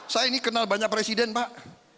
saya ini kenal banyak presiden pak